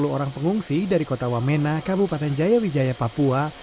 satu ratus tujuh puluh orang pengungsi dari kota wamena kabupaten jayawijaya papua